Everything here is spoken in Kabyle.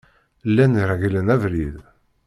Llan reglen abrid.